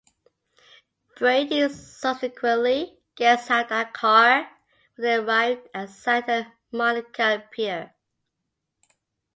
Brady subsequently gets out of that car when they arrive at Santa Monica Pier.